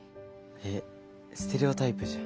えっステレオタイプじゃん。